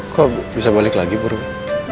kok bisa balik lagi buruk